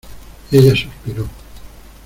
ella suspiró: